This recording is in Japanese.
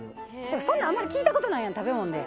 そんなんあんまり聞いたことないやん食べ物で。